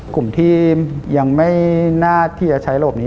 กลุ่มที่ยังไม่น่าที่จะใช้ระบบนี้